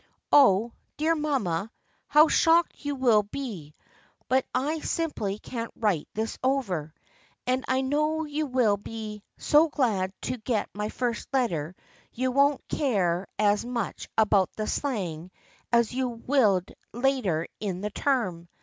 Oh, dear mamma, how shocked you will be, but I simply can't write this over, and I know you will be so glad to get my first letter you won't care as much about the slang as you would later in the term.